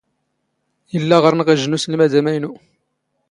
ⵉⵍⵍⴰ ⵖⵔⵏⵖ ⵉⵊⵊ ⵏ ⵓⵙⵍⵎⴰⴷ ⴰⵎⴰⵢⵏⵓ.